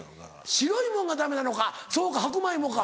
白いもんがダメなのかそうか白米もか。